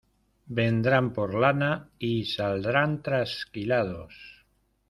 Vendrán por lana y saldrán trasquilados.